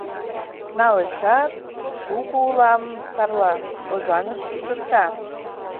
Налешат, шуко улам тарла, Озаҥыш шупшыкта.